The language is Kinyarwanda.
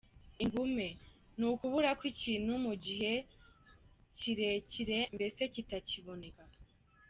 Ingume: ni ukubura kw’ikintu mu gihe kirekirembese kitakiboneka.